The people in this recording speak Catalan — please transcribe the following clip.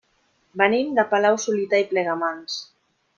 Venim de Palau-solità i Plegamans.